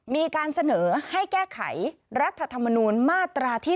มีการเสนอให้แก้ไขรัฐธรรมนูลมาตราที่๒